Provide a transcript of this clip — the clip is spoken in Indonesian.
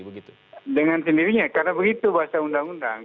dengan sendirinya karena begitu bahasa undang undang